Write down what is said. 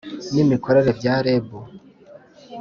N imikorere bya reb